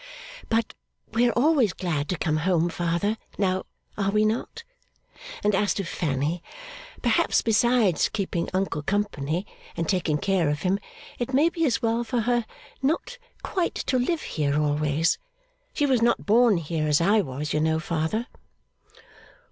'But we are always glad to come home, father; now, are we not? And as to Fanny, perhaps besides keeping uncle company and taking care of him, it may be as well for her not quite to live here, always. She was not born here as I was, you know, father.